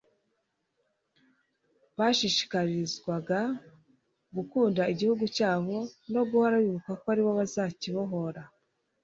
bashishikarizwaga gukunda igihugu cyabo no guhora bibuka ko ari bo bazakibohora,